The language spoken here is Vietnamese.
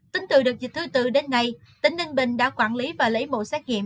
tính từ đợt dịch thứ tư đến nay tỉnh ninh bình đã quản lý và lấy mẫu xét nghiệm